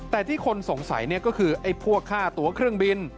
แต่ที่คนสงสัยก็คือไอ้พวกค่าตัวเครื่องบิน